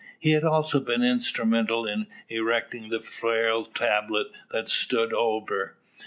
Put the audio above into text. He had also been instrumental in erecting the frail tablet that stood over.